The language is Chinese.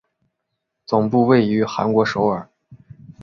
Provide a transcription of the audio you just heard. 总部位于韩国首尔。